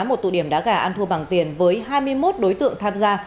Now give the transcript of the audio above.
một thụ điểm đá gà ăn thu bằng tiền với hai mươi một đối tượng tham gia